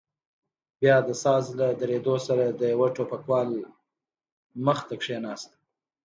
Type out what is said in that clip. بيا د ساز له درېدو سره د يوه ټوپکوال مخې ته کښېناست.